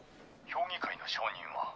評議会の承認は？